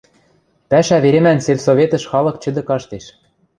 Пӓшӓ веремӓн сельсоветӹш халык чӹдӹ каштеш.